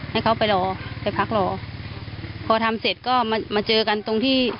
ให้เขาไปรอไปพักรอพอทำเสร็จก็มามาเจอกันตรงที่